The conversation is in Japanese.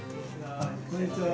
こんにちは。